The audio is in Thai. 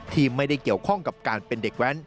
ที่ไม่ได้เกี่ยวข้องกับการเป็นเด็กแว้น